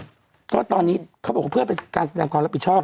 ก็ตอนนี้เขาบอกว่าเพื่อเป็นการแสดงความรับผิดชอบ